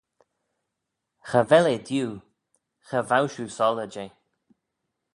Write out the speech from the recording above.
Cha vel eh diu, cha vow shiu soylley jeh.